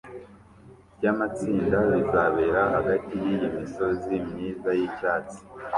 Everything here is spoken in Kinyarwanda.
byamatsinda bizabera hagati yiyi misozi myiza yicyatsi